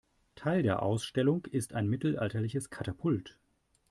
Teil der Ausstellung ist ein mittelalterliches Katapult.